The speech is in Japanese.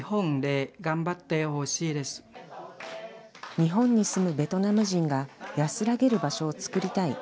日本に住むベトナム人が安らげる場所を作りたい。